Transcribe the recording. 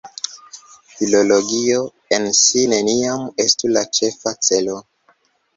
Filologio en si neniam estu la ĉefa celo.